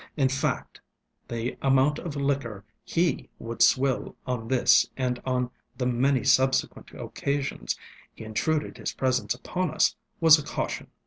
In fact, the amount of liquor he would swill on this and on the many subsequent occasions he intruded his presence upon us, was a caution.